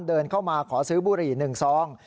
เดินเข้ามาขอซื้อบุหรี่๑ซอง